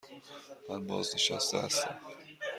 من بازنشسته هستم.